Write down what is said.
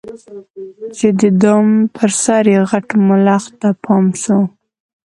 چي د دام پر سر یې غټ ملخ ته پام سو